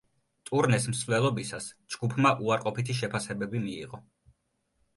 ტურნეს მსვლელობისას ჯგუფმა უარყოფითი შეფასებები მიიღო.